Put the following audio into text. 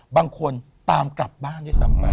บางคนตามกลับบ้านด้วยซ้ำไป